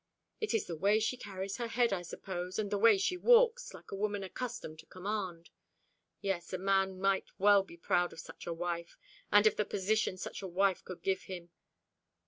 It is the way she carries her head, I suppose, and the way she walks, like a woman accustomed to command. Yes, a man might well be proud of such a wife, and of the position such a wife could give him.